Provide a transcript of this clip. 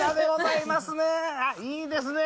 いいですね。